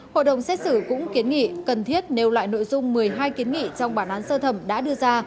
hội đồng xét xử cũng kiến nghị cần thiết nêu lại nội dung một mươi hai kiến nghị trong bản án sơ thẩm đã đưa ra